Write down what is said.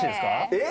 えっ？